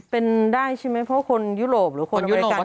เป็นได้ใช่ไหมเพราะคนยุโรปหรือคนอเมริกัน